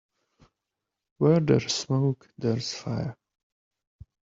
Where there's smoke there's fire.